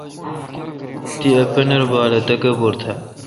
تے ا پنر بال اے°تکبیر تھال۔